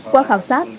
qua khảo sát